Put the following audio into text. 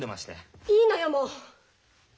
いいのよもう。